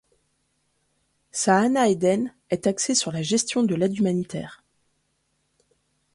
Sahana Eden est axé sur la gestion de l'aide humanitaire.